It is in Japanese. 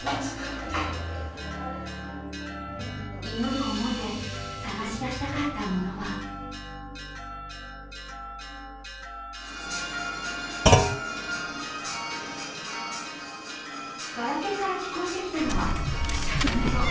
祈る思いで捜し出したかったものはガラケーから聞こえてきたのは着メロ。